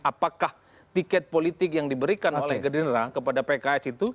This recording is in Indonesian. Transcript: apakah tiket politik yang diberikan oleh pks